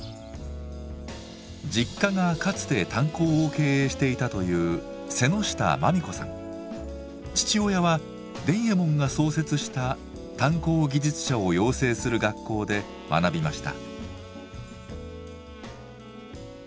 実家がかつて炭鉱を経営していたという父親は伝右衛門が創設した炭鉱技術者を養成する学校で学びました。